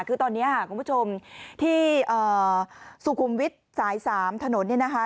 คือตอนนี้ค่ะคุณผู้ชมที่สุขุมวิทย์สาย๓ถนนเนี่ยนะคะ